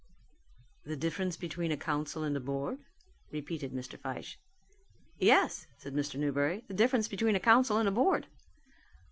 "The difference between a council and a board?" repeated Mr. Fyshe. "Yes," said Mr. Newberry, "the difference between a council and a board."